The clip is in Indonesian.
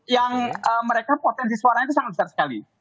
yang mereka potensi suaranya itu sangat besar sekali